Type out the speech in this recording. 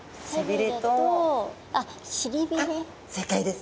正解です。